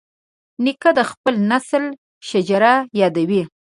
نیکه د خپل نسل شجره یادوي.